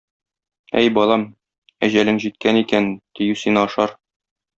Әй, балам, әҗәлең җиткән икән, дию сине ашар.